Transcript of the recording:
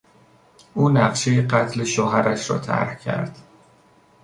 او نقشهی قتل شوهرش را طرح کرد.